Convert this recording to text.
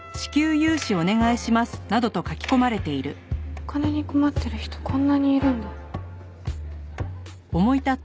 お金に困ってる人こんなにいるんだ。